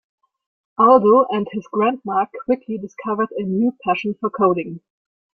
Aldo and his grandma quickly discovered a new passion for coding.